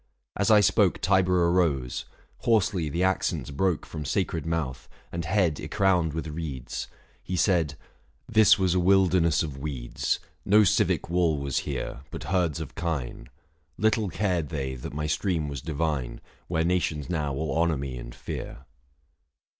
As I spoke 725 Tiber arose : hoarsely the accents broke From sacred mouth, and head ycrowned with reeds. He said :" This was a wilderness of weeds ; No civic wall was here, but herds of kine. Little cared they that my stream was divine, 730 Where nations now all honour me and fear.